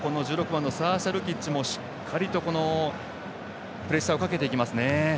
１６番のサーシャ・ルキッチもしっかりとプレッシャーをかけていきますね。